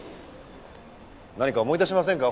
何か思い出しませんか？